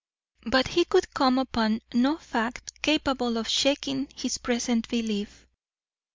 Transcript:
But he could come upon no fact capable of shaking his present belief.